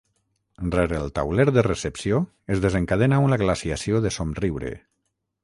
Rere el tauler de recepció es desencadena una glaciació de somriure.